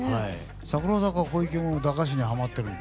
櫻坂４６の小池も駄菓子にはまってるの？